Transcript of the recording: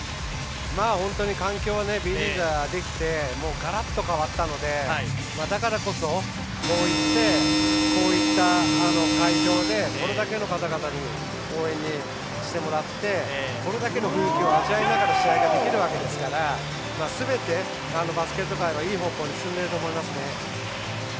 本当に環境はＢリーグができてガラッと変わったのでだからこそ、こういった会場でこれだけの方々に応援してもらってこれだけの雰囲気を味わいながら試合ができるわけですからすべて、バスケット界はいい方向に進んでいると思います。